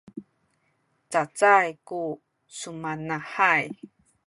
cacay ku sumanahay